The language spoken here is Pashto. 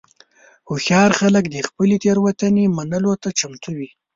هوښیار خلک د خپلې تېروتنې منلو ته چمتو وي.